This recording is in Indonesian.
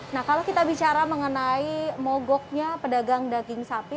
nah kalau kita bicara mengenai mogoknya pedagang daging sapi